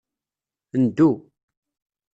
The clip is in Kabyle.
Ndu.